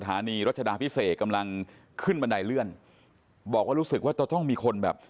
นีรัชดาพิเศษกำลังขึ้นบันไดเลื่อนบอกว่ารู้สึกว่าจะต้องมีคนแบบ